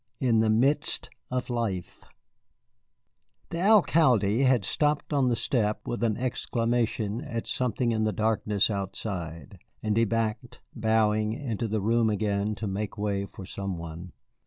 "IN THE MIDST OF LIFE" The Alcalde had stopped on the step with an exclamation at something in the darkness outside, and he backed, bowing, into the room again to make way for some one.